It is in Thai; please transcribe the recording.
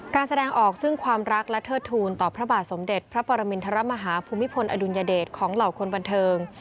การแสดงออกซึ่งความรักและเทิดทูลต่อพระบาทสมเด็จพระปรมินทรมาฮาภูมิพลอดุลยเดชของเหล่าคนบันเทิง